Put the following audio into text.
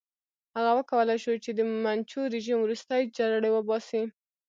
هغه وکولای شو چې د منچو رژیم ورستۍ جرړې وباسي.